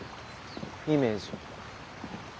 イメージ。